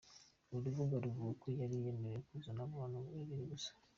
Uru rubuga ruvuga ko yari yemerewe kuzana abantu babiri gusa.